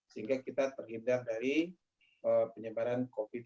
sehingga kita terhindar dari penyebaran covid sembilan belas